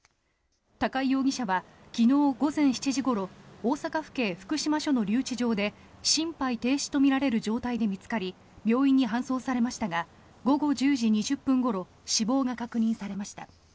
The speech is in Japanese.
高井容疑者は昨日午前７時ごろ大阪府警福島署の留置場で心肺停止とみられる状態で見つかり病院に搬送されましたが午後１０時２０分ごろ死亡が確認されました。